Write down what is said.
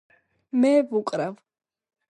მე ვუკრავ